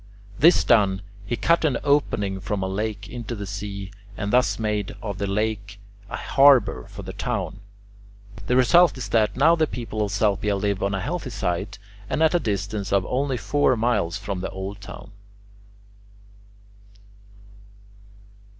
This done, he cut an opening from a lake into the sea, and thus made of the lake a harbour for the town. The result is that now the people of Salpia live on a healthy site and at a distance of only four miles from the old town.